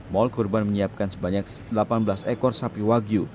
mal kurban menyiapkan sebanyak delapan belas ekor sapi wagyu